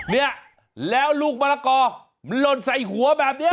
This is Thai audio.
เนี่ยแล้วลูกมะละกอมันหล่นใส่หัวแบบนี้